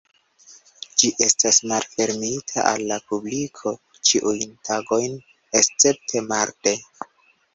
Ĝi estas malfermita al la publiko ĉiujn tagojn escepte marde.